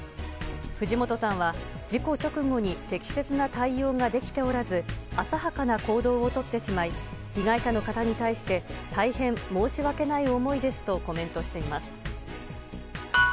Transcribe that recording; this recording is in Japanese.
藤本さんは、事故直後に適切な対応ができておらず浅はかな行動をとってしまい被害者の方に対して大変申し訳ない思いですとコメントしています。